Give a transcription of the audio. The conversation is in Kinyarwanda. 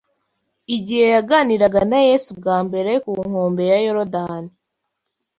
Igihe yaganiraga na Yesu bwa mbere ku nkombe ya Yorodani